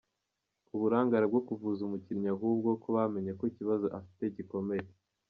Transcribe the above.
uburangare bwo kuvuza umukinnyi ahubwo ko bamenye ko ikibazo afite gikomeye